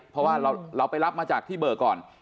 เพราะว่าเราไปรับมาจากที่เบิกก่อน